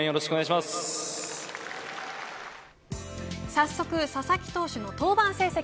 早速、佐々木投手の登板成績